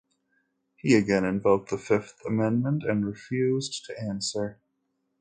He again invoked the Fifth Amendment and refused to answer.